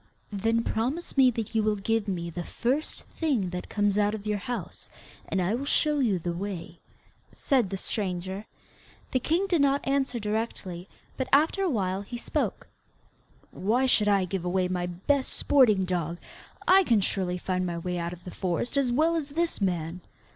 'Then promise me that you will give me the first thing that comes out of your house, and I will show you the way,' said the stranger. The king did not answer directly, but after awhile he spoke: 'Why should I give away my BEST sporting dog. I can surely find my way out of the forest as well as this man.